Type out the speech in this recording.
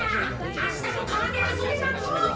あしたもかわであそびまくろうぜ！